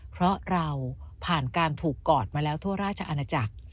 เพราะเราผ่านการถูกกอดมาแล้วทั่วราชอาณาจักร